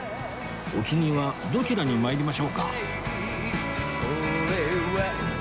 お次はどちらに参りましょうか？